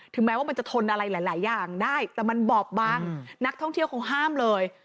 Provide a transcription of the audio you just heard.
แม้ว่ามันจะทนอะไรหลายอย่างได้แต่มันบอบบางนักท่องเที่ยวเขาห้ามเลย